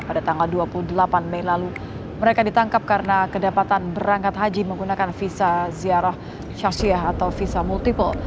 pada tanggal dua puluh delapan mei lalu mereka ditangkap karena kedapatan berangkat haji menggunakan visa ziarah syasiah atau visa multiple